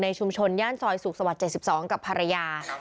ชุมชนย่านซอยสุขสวรรค์๗๒กับภรรยา